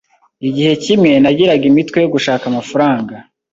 Igihe kimwe nagiraga imitwe yo gushaka amafaranga